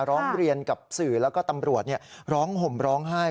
ร้องเรียนกับสื่อแล้วก็ตำรวจร้องห่มร้องไห้